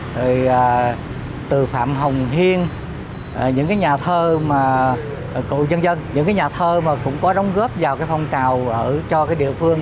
rồi từ phạm hồng hiên những cái nhà thơ mà cựu dân dân những cái nhà thơ mà cũng có đóng góp vào cái phong trào ở cho cái địa phương